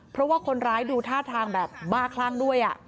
เพราะว่าคนร้ายดูท่าทางแบบบ้าคลั่งด้วย